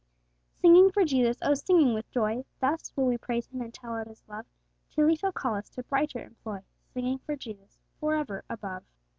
Singing for Jesus, oh, singing with joy; Thus will we praise Him, and tell out His love, Till He shall call us to brighter employ, Singing for Jesus for ever above.